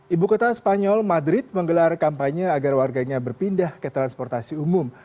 ibu kota spanyol madrid menggelar kampanye agar warganya berpindah ke transportasi umum